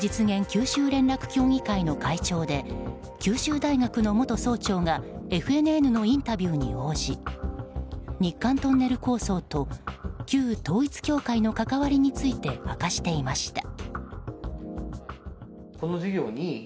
九州連絡協議会の会長で九州大学の元総長がＦＮＮのインタビューに応じ日韓トンネル構想と旧統一教会の関わりについて明かしていました。